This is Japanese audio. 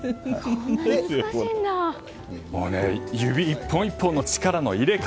指１本１本の力の入れ方